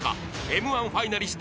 ［Ｍ−１ファイナリスト